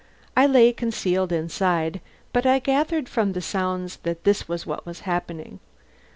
I lay concealed inside, but I gathered from the sounds that this was what was happening.